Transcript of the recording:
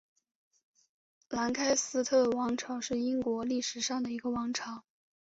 兰开斯特王朝是英国历史上的一个王朝。